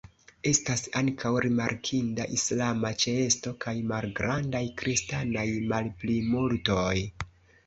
Estas ankaŭ rimarkinda islama ĉeesto kaj malgrandaj kristanaj malplimultoj.